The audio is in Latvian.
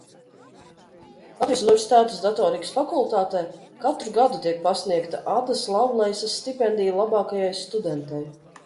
Latvijas Universitātes Datorikas fakultātē katru gadu tiek pasniegta Adas Lavleisas stipendija labākajai studentei.